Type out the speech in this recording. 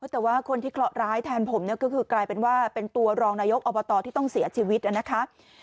แต่ว่าคนที่เคราะหร้ายแทนผมเนี่ยก็คือกลายเป็นว่าเป็นตัวรองนายกอบตที่ต้องเสียชีวิตนะคะ